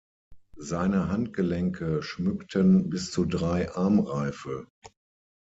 Seine Handgelenke schmückten bis zu drei Armreife.